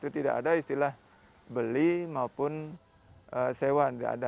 tidak ada istilah beli maupun sewa